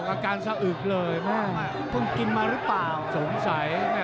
อากาศเลยเพิ่งกินมาหรือเปล่า